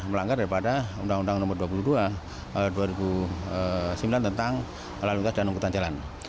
melanggar daripada undang undang nomor dua puluh dua dua ribu sembilan tentang lalu lintas dan angkutan jalan